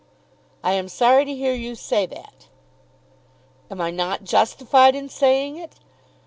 "I am sorry to hear you say that." "Am I not justified in saying it?"